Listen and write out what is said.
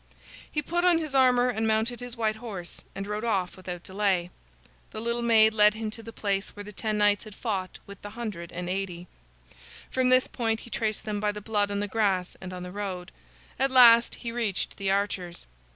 He put on his armor and mounted his white horse and rode off without delay. The little maid led him to the place where the ten knights had fought with the hundred and eighty. From this point he traced them by the blood on the grass and on the road. At last he reached the archers.